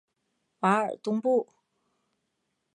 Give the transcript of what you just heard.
瓦尔东布。